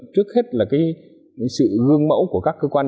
trước hết là sự gương mẫu của các cơ quan